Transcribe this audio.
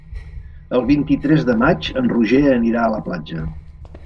El vint-i-tres de maig en Roger anirà a la platja.